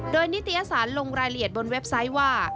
โดยนิตยสารลงรายละเอียดบนเว็บไซต์ว่า